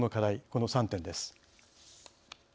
この３点です。